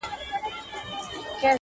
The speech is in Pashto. له امو تر اباسبنه قلمرو دا جغرافیا می